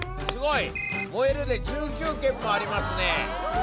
すごい！「モエル」で１９件もありますね！